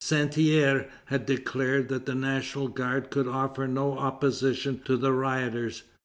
Santerre had declared that the National Guard could offer no opposition to the rioters.